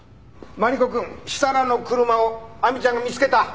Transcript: マリコくん設楽の車を亜美ちゃんが見つけた。